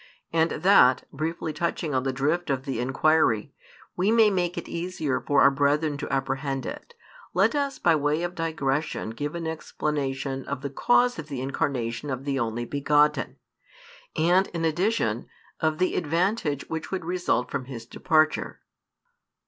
And that, briefly touching on the drift of the inquiry, we may make it easier for our brethren to apprehend it, let us by way of digression give an explanation of the cause of the Incarnation of the Only begotten; and, in addition, of the advantage which would result from His departure.